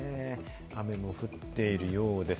雨も降っているようです。